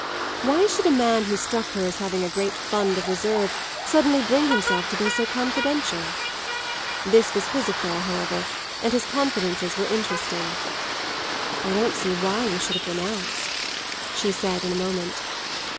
Why should a man who struck her as having a great fund of reserve suddenly bring himself to be so confidential? This was his affair, however, and his confidences were interesting. "I don't see why you should have renounced," she said in a moment.